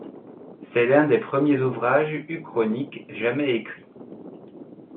C'est l'un des premiers ouvrages uchroniques jamais écrits.